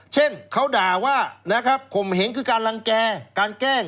เช่นเขาด่าว่าคมเห็งคือการลังแก่การแกล้ง